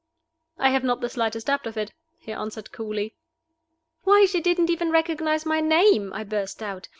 "I have not the slightest doubt of it," he answered, coolly. "Why, she didn't even recognize my name!" I burst out.